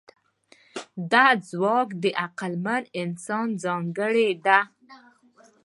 دا ځواک د عقلمن انسان ځانګړنه ده.